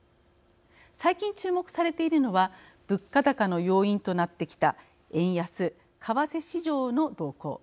最近、注目されているのは物価高の要因となってきた円安・為替市場の動向。